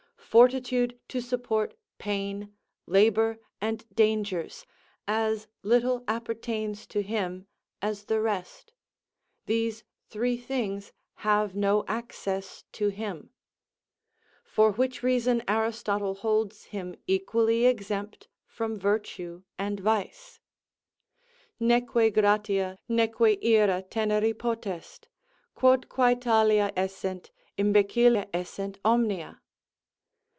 Fortitude to support pain, labour, and dangers, as little appertains to him as the rest; these three things have no access to him. For which reason Aristotle holds him equally exempt from virtue and vice: _Neque gratia, neque ira teneri potest; quod quo talia essent, imbecilla essent omnia?